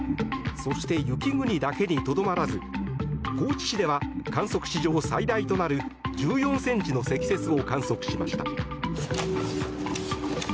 そして雪国だけにとどまらず高知市では観測史上最大となる１４ｃｍの積雪を観測しました。